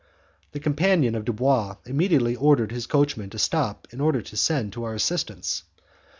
The companion of Dubois immediately ordered his coachman to stop in order to send to our assistance.